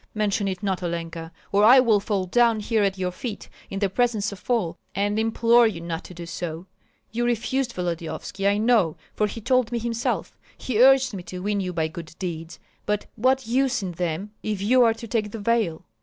Mention it not, Olenka, or I will fall down here at your feet in the presence of all, and implore you not to do so. You refused Volodyovski, I know, for he told me himself. He urged me to win you by good deeds. But what use in them if you are to take the veil?